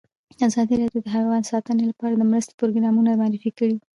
ازادي راډیو د حیوان ساتنه لپاره د مرستو پروګرامونه معرفي کړي.